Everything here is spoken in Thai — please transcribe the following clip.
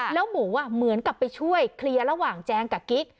แล้วหมูเหมือนกับไปช่วยเคลียร์ระหว่างแจงกับกิ๊ก